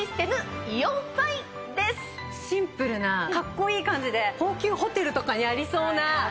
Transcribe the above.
シンプルなカッコいい感じで高級ホテルとかにありそうな。